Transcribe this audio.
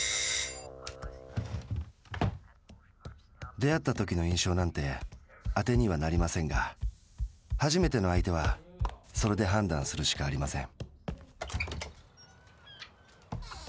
出会ったときの印象なんてあてにはなりませんがはじめての相手はそれで判断するしかありません。